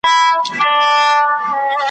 نه یې زور نه یې منګول د چا لیدلی ,